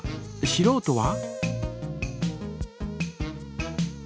しろうとは？